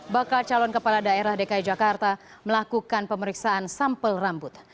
bakal calon kepala daerah dki jakarta melakukan pemeriksaan sampel rambut